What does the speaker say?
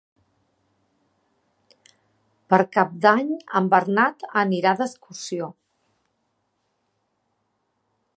Per Cap d'Any en Bernat anirà d'excursió.